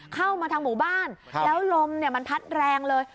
เข้ามาทางหมู่บ้านแล้วลมมันพัดแรงเลย